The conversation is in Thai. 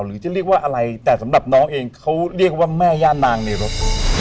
หรือจะเรียกว่าอะไรแต่สำหรับน้องเองเขาเรียกว่าแม่ย่านางในรถ